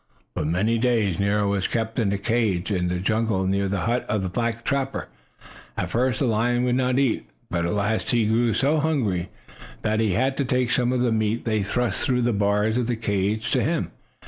For many days Nero was kept in the cage in the jungle near the hut of the black trapper. At first the lion would not eat, but at last he grew so hungry that he had to take some of the meat they thrust through the bars of the cage to him.